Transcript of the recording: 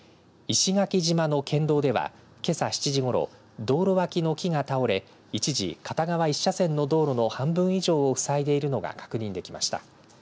石垣島の県道では、けさ７時ごろ道路脇の木が倒れ一時片側１車線の道路の半分以上をふさいでいるのが確認できました。